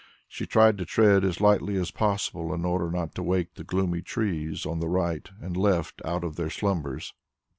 She tried to tread as lightly as possible in order not to awake the gloomy trees on the right and left out of their slumbers.